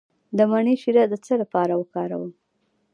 د مڼې شیره د څه لپاره وکاروم؟